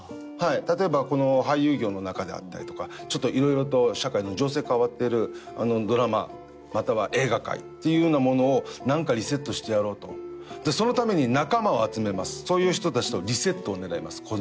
例えばこの俳優業の中であったりとかちょっと色々と社会の情勢変わってるドラマまたは映画界というようなものを何かリセットしてやろうとでそのために仲間を集めますそういう人達とリセットを狙います